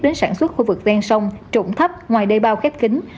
đến sản xuất khu vực ven sông trụng thấp ngoài đê bao khép kính